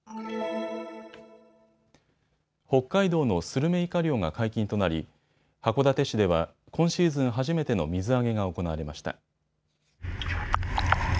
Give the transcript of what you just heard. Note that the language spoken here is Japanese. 北海道のスルメイカ漁が解禁となり函館市では今シーズン初めての水揚げが行われました。